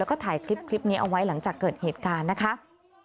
แล้วก็ถ่ายคลิปนี้เอาไว้หลังจากเกิดเหตุการณ์นะคะ